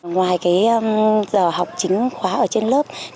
ngoài giờ học chính khóa trên lớp